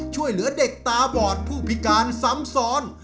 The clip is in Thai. ช่วยเหลือเด็กตาบอดผู้พิการซ้ำซ้อน